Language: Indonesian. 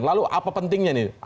lalu apa pentingnya nih